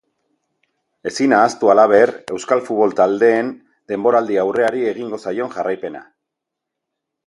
Ezin ahaztu, halaber, euskal futbol taldeen denboraldi-aurreari egingo zaion jarraipena.